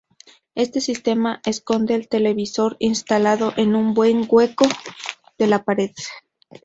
Este sistema esconde el televisor instalado en un hueco de la pared.